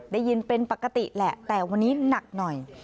ได้ยินเป็นปกติแหละแต่วันนี้หนักหน่อย